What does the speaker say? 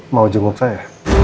mau jempol saya